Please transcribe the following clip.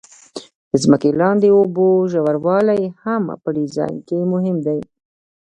د ځمکې لاندې اوبو ژوروالی هم په ډیزاین کې مهم دی